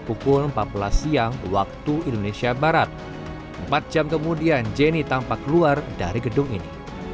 pukul empat belas siang waktu indonesia barat empat jam kemudian jenny tampak keluar dari gedung ini